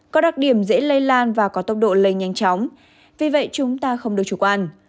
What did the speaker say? có đặc điểm dễ lây lan và có tốc độ lây nhanh chóng vì vậy chúng ta không được chủ quan